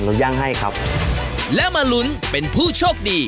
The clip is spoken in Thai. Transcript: ย่างให้ครับแล้วมาลุ้นเป็นผู้โชคดี